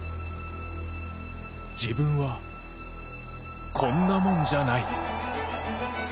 自分はこんなもんじゃない。